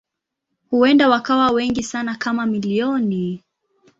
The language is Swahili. Huenda wakawa wengi sana kama milioni.